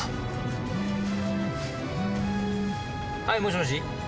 はいもしもし。